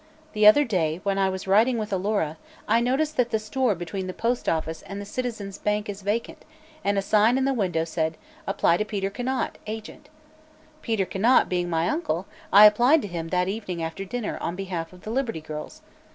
The other day, when I was riding with Alora, I noticed that the store between the post office and the Citizens' Bank is vacant, and a sign in the window said 'Apply to Peter Conant, Agent.' Peter Conant being my uncle, I applied to him that evening after dinner, on behalf of the Liberty Girls.